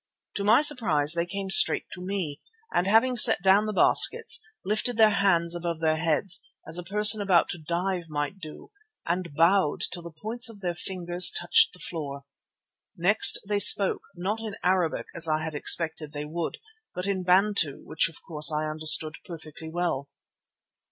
To my surprise they came straight to me, and, having set down the baskets, lifted their hands above their heads, as a person about to dive might do, and bowed till the points of their fingers touched the floor. Next they spoke, not in Arabic as I had expected that they would, but in Bantu, which of course I understood perfectly well.